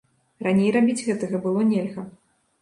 Раней рабіць гэтага было нельга.